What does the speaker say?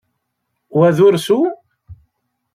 Wa d ursu?